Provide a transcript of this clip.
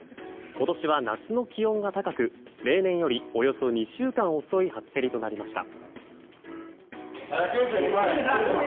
今年は夏の気温が高く例年よりおよそ２週間遅い初競りとなりました。